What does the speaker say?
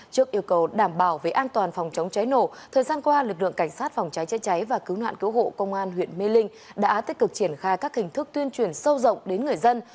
trước yêu cầu đảm bảo về an toàn phòng chống cháy nổ thời gian qua lực lượng cảnh sát phòng cháy chữa cháy và cứu nạn cứu hộ công an huyện mê linh đã tích cực triển khai các hình thức tuyên truyền sâu rộng đến người dân